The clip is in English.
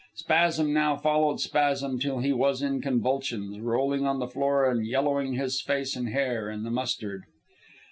Spasm now followed spasm till he was in convulsions, rolling on the floor and yellowing his face and hair in the mustard.